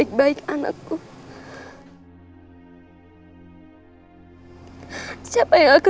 aku akan baik baik saja